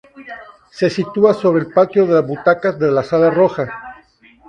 Se sitúa sobre el patio de butacas de la Sala Roja.